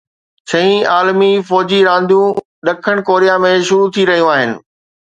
ڇهين عالمي فوجي رانديون ڏکڻ ڪوريا ۾ شروع ٿي رهيون آهن